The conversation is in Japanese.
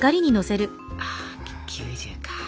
あ９０か。